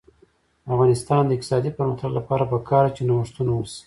د افغانستان د اقتصادي پرمختګ لپاره پکار ده چې نوښتونه وشي.